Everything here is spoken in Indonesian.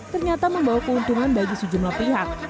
ternyata membawa keuntungan bagi sejumlah pihak